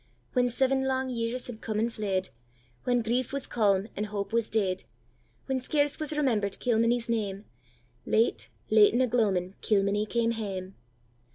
When seven lang years had come and fled, When grief was calm, and hope was dead; When scarce was remember'd Kilmeny's name. Late, late in a gloamin' Kilmeny came hame!